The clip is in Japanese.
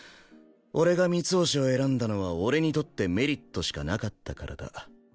俺がミツホシを選んだのは俺にとってメリットしかなかったからだ。